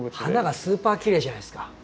花がスーパーきれいじゃないですか？